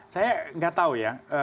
saya tidak tahu ya